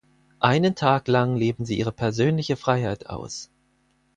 Einen Tag lang leben sie ihre persönliche Freiheit aus.